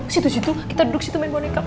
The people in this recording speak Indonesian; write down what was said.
situs situ kita duduk situ main boneka